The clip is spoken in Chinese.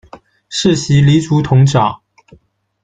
世袭黎族峒长。